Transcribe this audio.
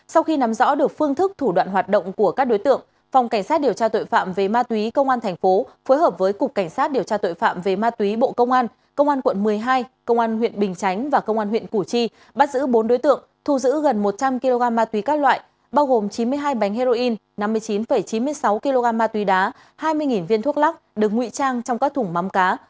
sau khi nắm rõ được phương thức thủ đoạn hoạt động của các đối tượng phòng cảnh sát điều tra tội phạm về ma túy công an tp hcm phối hợp với cục cảnh sát điều tra tội phạm về ma túy bộ công an công an quận một mươi hai công an huyện bình chánh và công an huyện củ chi bắt giữ bốn đối tượng thu giữ gần một trăm linh kg ma túy các loại bao gồm chín mươi hai bánh heroin năm mươi chín chín mươi sáu kg ma túy đá hai mươi viên thuốc lắc được ngụy trang trong các thùng mắm cá